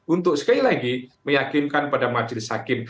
untuk sekali lagi meyakinkan pada majelis hakim